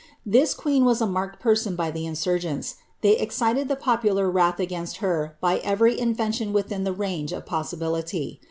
This queen was a marked person by the insurgents ; id the popular wrath against her by every invention within •f possibility.